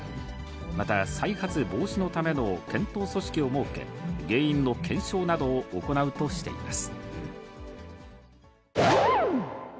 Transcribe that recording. また、再発防止のための検討組織を設け、原因の検証などを行うとしています。